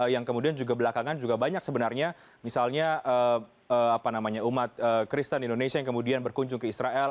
yang kemudian juga belakangan juga banyak sebenarnya misalnya umat kristen indonesia yang kemudian berkunjung ke israel